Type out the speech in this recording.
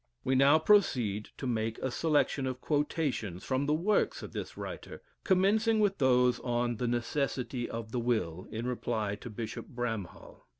We now proceed to make a selection of quotations from the works of this writer, commencing with those on the "Necessity of the Will," in reply to Bishop Bramhall.